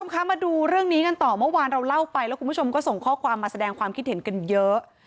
คุณผู้ชมคะมาดูเรื่องนี้กันต่อเมื่อวานเราเล่าไปแล้วคุณผู้ชมก็ส่งข้อความมาแสดงความคิดเห็นกันเยอะ